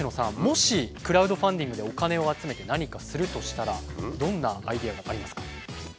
もしクラウドファンディングでお金を集めて何かするとしたらどんなアイデアがありますか？